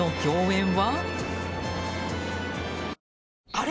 あれ？